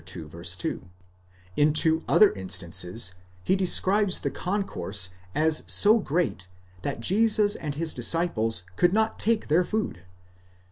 2); in two other instances, he describes the concourse as so great, that Jesus and his disciples could not take their food (iii.